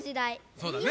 そうだね。